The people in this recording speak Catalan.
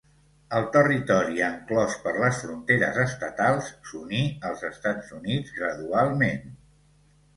El territori enclòs per les fronteres estatals s'uní als Estats Units gradualment.